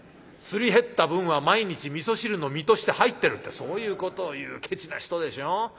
すり減った分は毎日味噌汁の実として入ってる』ってそういうことを言うケチな人でしょ。